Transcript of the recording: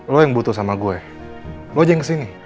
lo yang butuh sama gue lo aja yang kesini